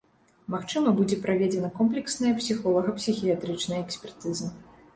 Магчыма, будзе праведзена комплексная псіхолага-псіхіятрычная экспертыза.